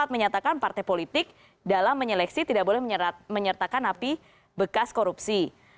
menyatakan partai politik dalam menyeleksi tidak boleh menyertakan napi bekas korupsi